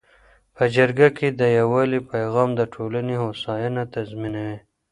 په جرګه کي د یووالي پیغام د ټولنې هوساینه تضمینوي.